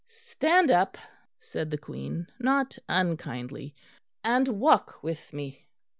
"Stand up," said the Queen, not unkindly, "and walk with me."